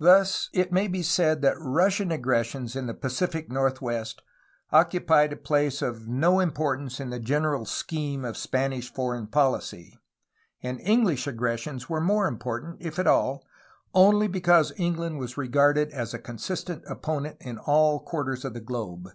Thus it may be said that RUSSIAN AND ENGLISH AGGRESSIONS 257 Russian aggressions in the Pacific northwest occupied a place of no importance in the general scheme of Spanish foreign policy, — hence the blank in the chart, — and English aggressions were more important, if at all, only because England was regarded as a consistent opponent in all quarters of the globe.